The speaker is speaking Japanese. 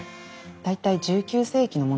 大体１９世紀のものですね。